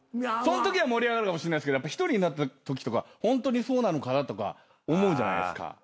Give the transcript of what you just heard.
そんときは盛り上がるかもしんないですけど１人になったときとかホントにそうなのかなとか思うじゃないですか。